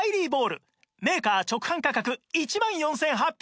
メーカー直販価格１万４８００円なんですが